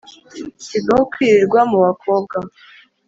sigaho kwirirwa mu bakobwa